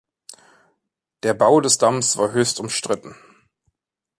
Der Bau des Damms war höchst umstritten.